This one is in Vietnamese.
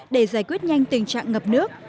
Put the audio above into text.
để giải quyết nhanh tình trạng ngập nước